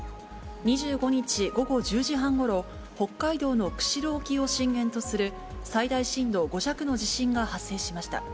２５日午後１０時半ごろ、北海道の釧路沖を震源とする最大震度５弱の地震が発生しました。